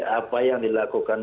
apa yang dilakukan